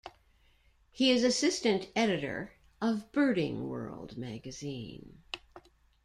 He is assistant editor of "Birding World" magazine.